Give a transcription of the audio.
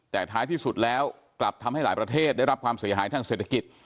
แต่ท้ายที่สุดแล้วกลับทำให้หลายประเทศได้รับความเสียหายทางเศรษฐกิจ